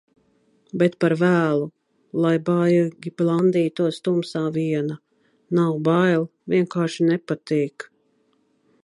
Bet par vēlu, lai baigi blandītos tumsā viena. Nav bail, vienkārši nepatīk.